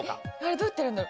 どうやってやるんだろ？